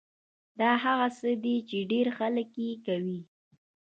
دا هغه څه دي چې ډېر خلک يې کوي.